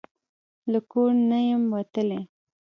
له کور نه یمه وتلې